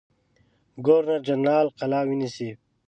ګورنر جنرال قلا ونیسي.